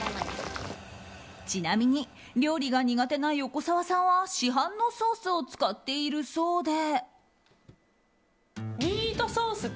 ちなみに料理が苦手な横澤さんは市販のソースを使っているそうで。